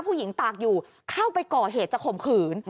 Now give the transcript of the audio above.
ตากอยู่เข้าไปก่อเหตุจะข่มขืน